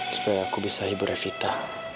supaya aku bisa hibur revita